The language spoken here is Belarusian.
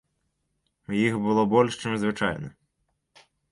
Іх было больш чым звычайна.